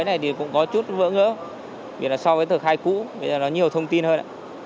khai mới này cũng có chút vỡ ngỡ so với từ khai cũ bây giờ nó nhiều thông tin hơn